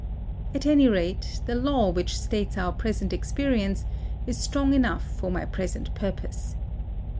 At any rate the law which states our present experience is strong enough for my present purpose.